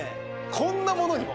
こんなものにも！